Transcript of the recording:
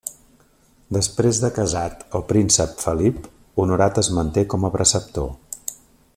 Després de casat el príncep Felip, Honorat es manté com a preceptor.